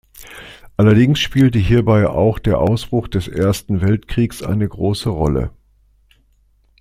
Allerdings spielt hierbei auch der Ausbruch des Ersten Weltkriegs eine große Rolle.